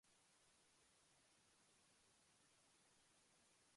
no podrá ser rastreado su lugar de procedencia